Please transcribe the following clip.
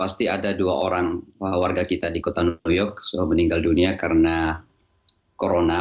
saya new york meninggal dunia karena corona